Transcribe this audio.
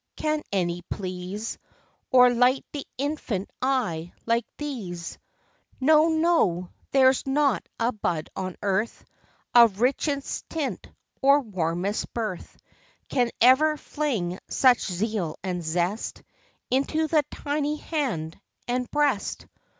can any please Or light the infant eye like these ? No, no; thereŌĆÖs not a bud on earth, Of richest tint, or warmest birth, Can ever fling such zeal and zest Into the tiny hand and breast.